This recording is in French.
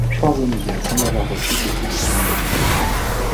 Schwarzenegger semble avoir reçu beaucoup de soins médicaux.